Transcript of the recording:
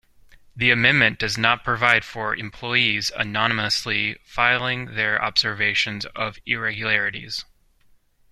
The amendment does not provide for employees anonymously filing their observations of irregularities.